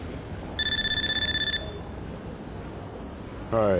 はい。